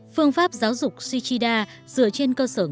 phương pháp giáo dục shichida dựa trên cơ sở nghiên cứu